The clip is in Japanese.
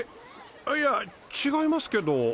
あいや違いますけど。